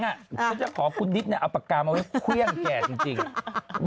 ก็จะขอคุณดิ๊กเนี่ยเอาปากกามาไว้เครื่องแก่จริง